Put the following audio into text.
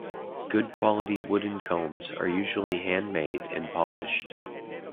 Good quality wooden combs are usually handmade and polished.